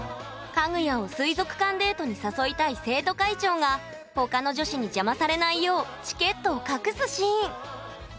かぐやを水族館デートに誘いたい生徒会長が他の女子に邪魔されないようチケットを隠すシーン。